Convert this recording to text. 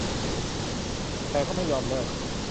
แต่ก็ไม่ยอมเลิก